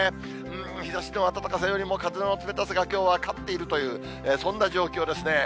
日ざしの暖かさよりも風の冷たさが、きょうは勝っているというそんな状況ですね。